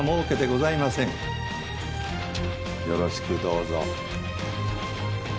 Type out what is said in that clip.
よろしくどうぞ。